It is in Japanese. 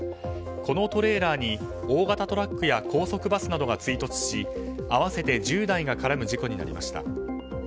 このトレーラーに大型トラックや高速バスなどが追突し合わせて１０台が絡む事故になりました。